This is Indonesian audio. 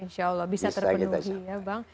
insya allah bisa terpenuhi ya bang